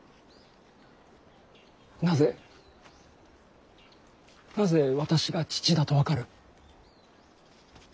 なぜなぜ私が父だと分かる。